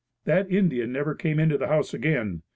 That Indian never came into the house again.